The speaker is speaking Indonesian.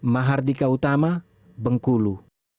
mahardika utama bengkulu